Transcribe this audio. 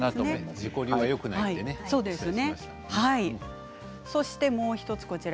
自己流はよくないですね。